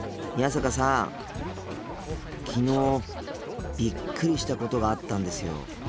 昨日びっくりしたことがあったんですよ。